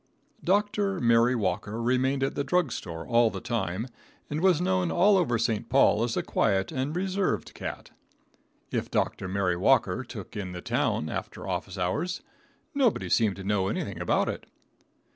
Dr. Mary Walker remained at the drug store all the time, and was known all over St. Paul as a quiet and reserved cat. If Dr. Mary Walker took in the town after office hours, nobody seemed to know anything about it.